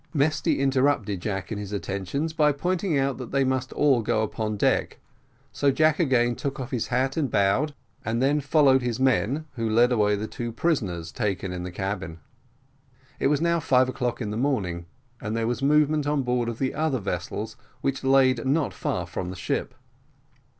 Mesty interrupted Jack in his attentions, by pointing out that they must all go upon deck so Jack again took off his hat and bowed, and then followed his men, who led away the two prisoners taken in the cabin. It was now five o'clock in the morning, and there was movement on board of the other vessels, which lay not far from the ship.